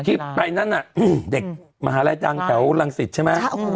คลิปไปนั้นน่ะเด็กมหาลัยดังแถวรังสิทธิ์ใช่ไหม